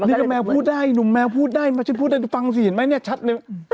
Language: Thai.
นี่ก็แมวพูดได้หนุ่มแมวพูดได้ชั้นพูดได้ตรงนี้ฟังสิเห็นมั้ยชัดหนึ่ง